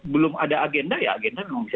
belum ada agenda ya agenda memang bisa